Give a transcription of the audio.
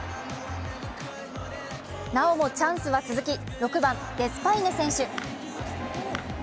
なおもチャンスは続き、６番・デスパイネ選手。